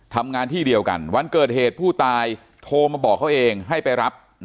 ทำงานที่เดียวกันวันเกิดเหตุผู้ตายโทรมาบอกเขาเองให้ไปรับ